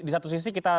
di satu sisi kita